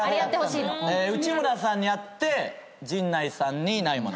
内村さんにあって陣内さんにないもの。